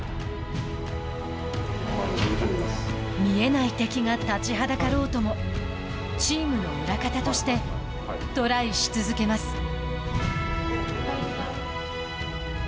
見えない敵が立ちはだかろうともチームの裏方としてトライし続けます。